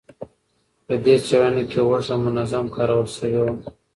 په دې څېړنه کې هوږه منظم کارول شوې وه.